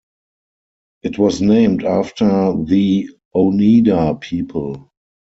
It was named after the Oneida people.